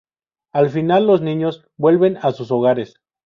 Al final los niños vuelven a sus hogares.